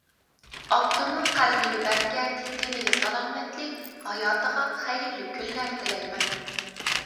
ئاپتورنىڭ قەلىمىگە بەرىكەت، تېنىگە سالامەتلىك، ھاياتىغا خەيرلىك كۈنلەر تىلەيمەن!